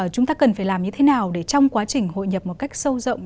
chúng ta cần phải làm như thế nào để trong quá trình hội nhập một cách sâu rộng